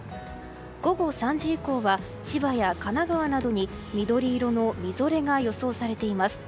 午後３時以降は千葉や神奈川などに緑色のみぞれが予想されています。